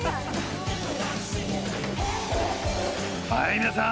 はい皆さん！